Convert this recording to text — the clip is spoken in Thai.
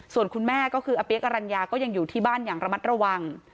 ส่วนคุณแม่ก็คืออาเปี๊กอรัญญาก็ยังอยู่ที่บ้านอย่างระมัดระวัง